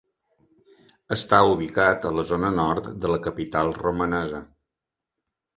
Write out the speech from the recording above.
Està ubicat a la zona nord de la capital romanesa.